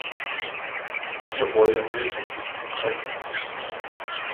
Wir wollen Hilfe für die Ukraine.